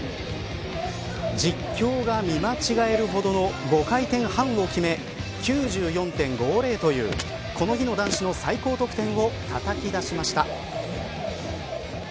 実況が見間違えるほどの５回転半を決め９４．５０というこの日の男子の最高得点をたたき出しました。